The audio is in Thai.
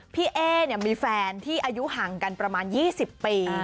พี่เอ๊มีแฟนที่อายุห่างกันประมาณ๒๐ปี